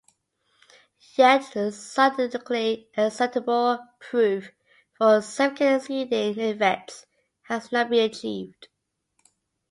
Yet scientifically acceptable proof for significant seeding effects has not been achieved...